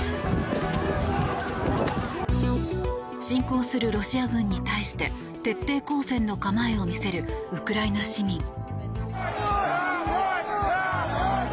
侵攻するロシア軍に対して徹底抗戦の構えを見せるウクライナ市民。